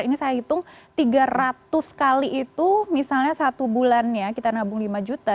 ini saya hitung tiga ratus kali itu misalnya satu bulannya kita nabung lima juta